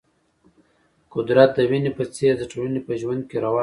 قدرت د وینې په څېر د ټولنې په ژوند کې روان دی.